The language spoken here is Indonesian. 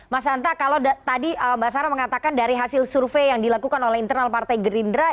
mas anta kalau tadi mbak sarah mengatakan dari hasil survei yang dilakukan oleh internal partai gerindra